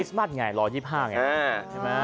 พริสมัสไงรอ๒๕เนี่ย